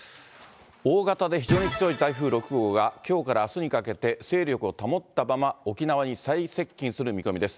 大型で非常に強い台風６号が、きょうからあすにかけて勢力を保ったまま沖縄に最接近する見込みです。